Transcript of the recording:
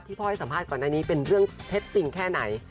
พ่อให้สัมภาษณ์ก่อนหน้านี้เป็นเรื่องเท็จจริงแค่ไหน